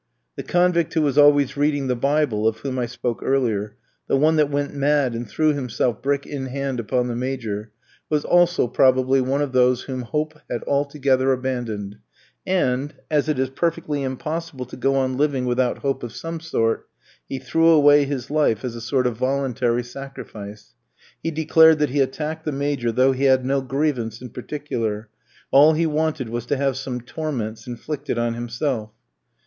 The convict who was always reading the Bible, of whom I spoke earlier, the one that went mad and threw himself, brick in hand, upon the Major, was also probably one of those whom hope had altogether abandoned; and, as it is perfectly impossible to go on living without hope of some sort, he threw away his life as a sort of voluntary sacrifice. He declared that he attacked the Major though he had no grievance in particular; all he wanted was to have some torments inflicted on himself.